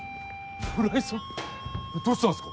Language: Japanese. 村井さんどうしたんすか？